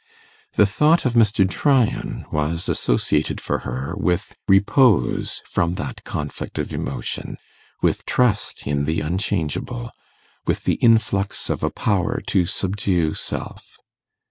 The thought of Mr. Tryan was associated for her with repose from that conflict of emotion, with trust in the unchangeable, with the influx of a power to subdue self.